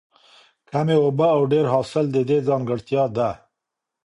کمې اوبه او ډېر حاصل د دې ځانګړتیا ده.